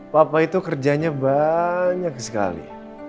papa itu kerjanya banyak sekali